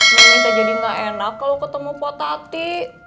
wanita jadi gak enak kalau ketemu potati